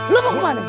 lo mau kemana